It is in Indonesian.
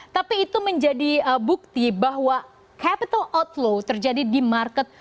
tapi itu menjadi bukti bahwa capital outflow terjadi di market